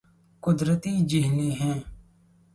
قدرتی جھیلیں ہیں